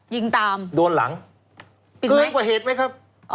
ยิงตามโดนหลังเกินกว่าเหตุไหมครับ